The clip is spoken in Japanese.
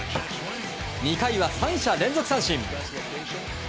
２回は３者連続三振。